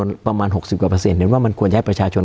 การแสดงความคิดเห็น